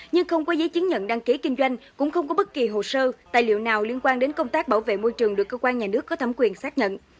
nhưng không có giấy chứng nhận đăng ký kinh doanh cũng không có bất kỳ hồ sơ tài liệu nào liên quan đến công tác bảo vệ môi trường được cơ quan nhà nước có thẩm quyền xác nhận